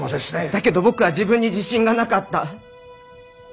だけど僕は自分に自信がなかった。